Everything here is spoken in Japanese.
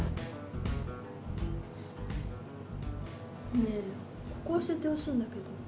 ねえここ教えてほしいんだけど。